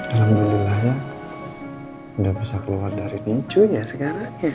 alhamdulillah udah bisa keluar dari pintunya sekarang